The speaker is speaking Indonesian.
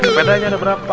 sepedanya ada berapa